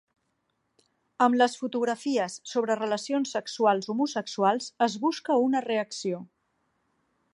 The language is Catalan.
Amb les fotografies sobre relacions sexuals homosexuals es busca una reacció.